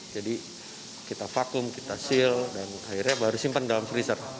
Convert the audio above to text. jadi kita vakum kita seal dan akhirnya baru simpan dalam freezer